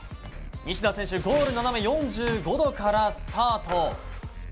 西田選手、ゴール斜め４５度からスタート。